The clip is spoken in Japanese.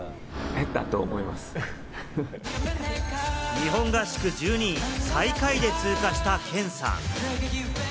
日本合宿１２位、最下位で通過したケンさん。